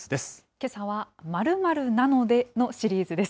けさは○○なのでのシリーズです。